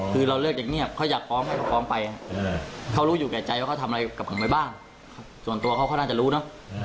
คือเราเลิกอย่างเงียบเขาอยากฟ้องเขาก็ฟ้องไปเขารู้อยู่แก่ใจว่าเขาทำอะไรกับผมไปบ้างส่วนตัวเขาเขาน่าจะรู้เนอะ